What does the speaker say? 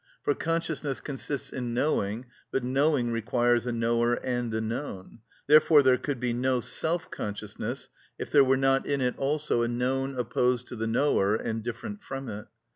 For consciousness consists in knowing; but knowing requires a knower and a known; therefore there could be no self consciousness if there were not in it also a known opposed to the knower and different from it.